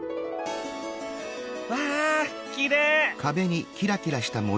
わあきれい！